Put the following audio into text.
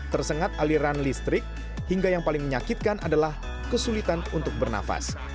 tersengat aliran listrik hingga yang paling menyakitkan adalah kesulitan untuk bernafas